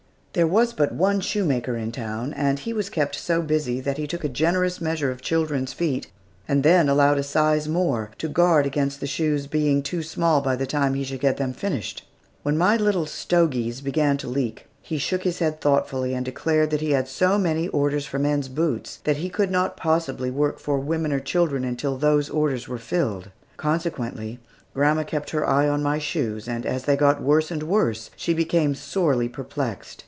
There was but one shoemaker in the town, and he was kept so busy that he took a generous measure of children's feet and then allowed a size or more, to guard against the shoes being too small by the time he should get them finished. When my little stogies began to leak, he shook his head thoughtfully, and declared that he had so many orders for men's boots that he could not possibly work for women or children until those orders were filled. Consequently, grandma kept her eye on my shoes, and as they got worse and worse, she became sorely perplexed.